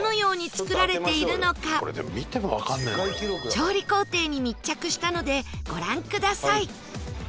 調理工程に密着したのでご覧ください